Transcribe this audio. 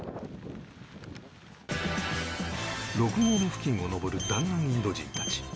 ６合目付近を登る弾丸インド人たち